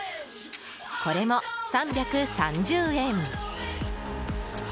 これも３３０円。